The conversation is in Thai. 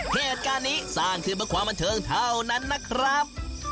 เหตุการณ์นี้สร้างขึ้นเพื่อความบันเทิงเท่านั้นนะครับ